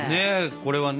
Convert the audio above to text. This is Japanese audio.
これはね。